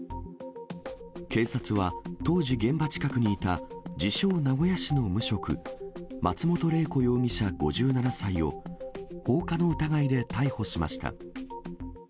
警察は当時現場近くにいた自称、名古屋市の無職、松本玲子容疑者５７歳を、放火の疑いで逮捕しました。